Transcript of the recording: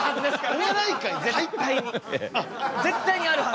絶対にあるはず。